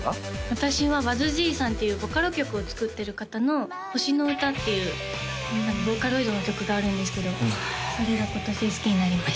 私はｂｕｚｚＧさんっていうボカロ曲を作ってる方の「星の唄」っていうボーカロイドの曲があるんですけどそれが今年好きになりました